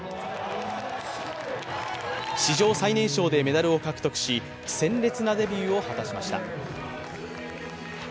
史上最年少でメダルを獲得し鮮烈なデビューを果たしました。